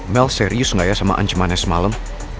mel serius gak ya sama anjmanes semalam